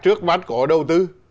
trước mắt có đầu tư